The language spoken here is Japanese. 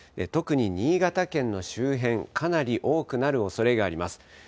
特に新潟県の周辺、かなり多くなるおそれがあります。